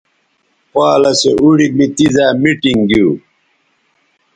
پالسے اوڑی می تیزائ میٹنگ گیو